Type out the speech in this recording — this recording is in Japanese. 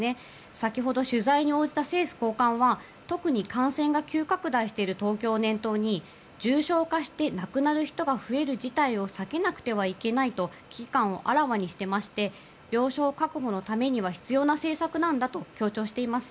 先ほど、取材に応じた政府高官は特に感染が急拡大している東京を念頭に重症化して亡くなる人が増える事態を避けなくてはいけないと危機感をあらわにしていまして病床確保のためには必要な政策なんだと強調しています。